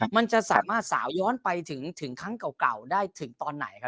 มันจะสามารถสาวย้อนไปถึงครั้งเก่าได้ถึงตอนไหนครับ